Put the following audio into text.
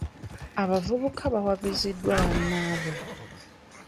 Abavubuka bawabiziddwa banaabwe.